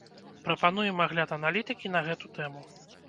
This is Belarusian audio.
Прапануем агляд аналітыкі на гэту тэму.